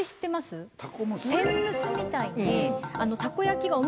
天むすみたいに。